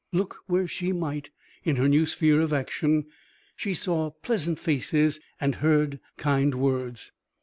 Look where she might, in her new sphere of action, she saw pleasant faces and heard kind words.